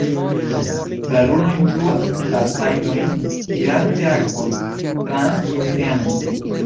La luno influas la tajdojn, tirante akvon trans oceanojn.